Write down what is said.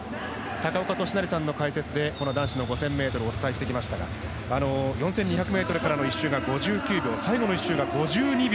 高岡寿成さんの解説で男子の５０００ｍをお伝えしてきましたが４２００ｍからの１周が５９秒最後の１周が５２秒。